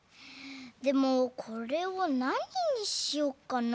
でもこれをなににしよっかな？